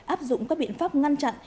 áp dụng các biện pháp ngăn chặn